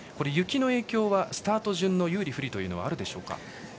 雪の影響はスタート順の有利、不利はあるでしょうか。